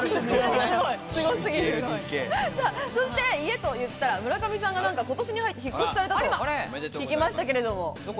そして家といったら、村上さんが、ことしに入って引っ越しされたと聞きましたけれども。